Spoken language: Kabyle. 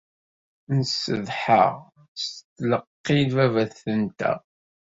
Nessetḥa s tleqqi n baba-tenteɣ.